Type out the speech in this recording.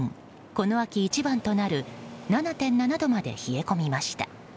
この秋一番となる７．７度まで冷え込みました。